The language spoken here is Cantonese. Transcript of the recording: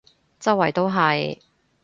周圍都係